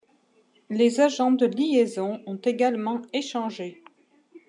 Les agents de liaison ont également échangé.